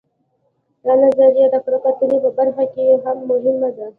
دا نظریه د کره کتنې په برخه کې هم مهمه ده